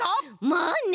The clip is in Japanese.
まあね！